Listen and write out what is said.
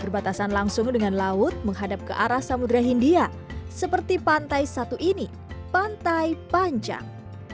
berbatasan langsung dengan laut menghadap ke arah samudera hindia seperti pantai satu ini pantai panjang